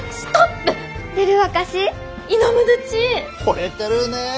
ほれてるね！